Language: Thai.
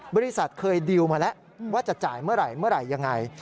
บริษัทเคยดีลมาแล้วว่าจะจ่ายเมื่อไหร่ยังไง